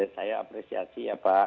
saya apresiasi ya pak